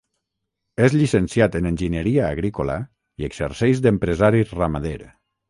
És llicenciat en Enginyeria agrícola i exerceix d'empresari ramader.